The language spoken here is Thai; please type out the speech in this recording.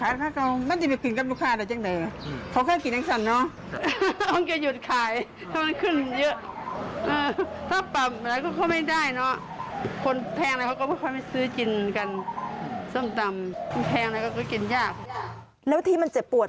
แล้วทีมันเจ็บปวดบ้างไหมครับ